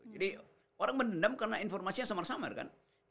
jadi orang mendendam karena informasinya samar samar kan